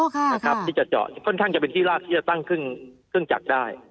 ที่จะเจาะค่อนข้างจะเป็นที่ลากที่จะตั้งเครื่องจักรได้